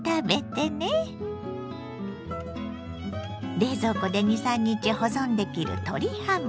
冷蔵庫で２３日保存できる鶏ハム。